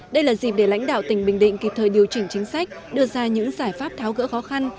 đây là dịp để lãnh đạo tỉnh bình định kịp thời điều chỉnh chính sách đưa ra những giải pháp tháo gỡ khó khăn